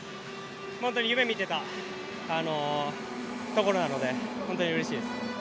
本当に夢みてたところなので本当にうれしいです。